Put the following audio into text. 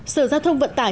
sở giao thông vận tải